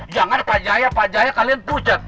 jangan pak jaya pak jaya kalian tucet